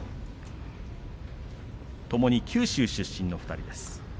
ともに九州出身の２人です。